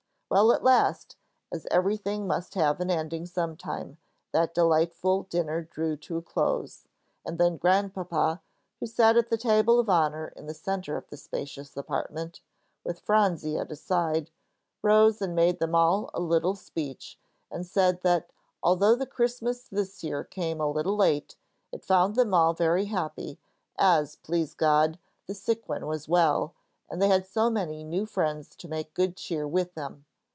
Well, at last, as everything must have an ending sometime, that delightful dinner drew to a close. And then Grandpapa, who sat at the table of honor in the centre of the spacious apartment, with Phronsie at his side, rose and made them all a little speech, and said that although the Christmas this year came a little late, it found them all very happy, as, please God, the sick one was well, and they had so many new friends to make good cheer with them.